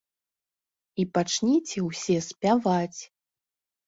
І пачніце ўсе спяваць.